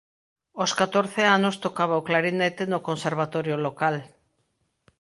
Aos catorce anos tocaba o clarinete no conservatorio local.